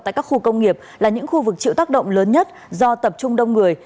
tại các khu công nghiệp là những khu vực chịu tác động lớn nhất do tập trung đông người